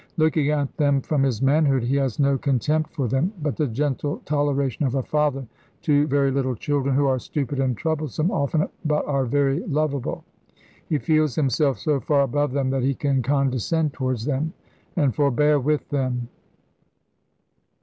Looking at them from his manhood, he has no contempt for them; but the gentle toleration of a father to very little children who are stupid and troublesome often, but are very lovable. He feels himself so far above them that he can condescend towards them, and forbear with them.